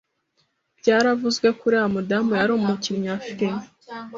Byaravuzwe ko uriya mudamu yari umukinnyi wa filime.